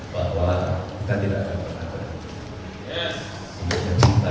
bahwa kita tidak akan berada di sini